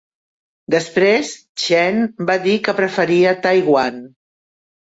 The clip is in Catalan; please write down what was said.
Després, Chen va dir que preferia Taiwan.